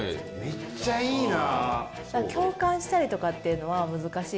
めっちゃいいな。